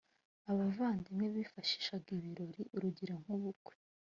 abavandimwe bifashishaga ibirori urugero nk ubukwe